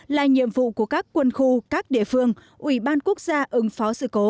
là nhiệm vụ của các quân khu các địa phương ủy ban quốc gia ứng phó sự cố